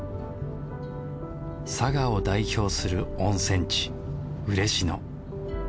佐賀を代表する温泉地嬉野。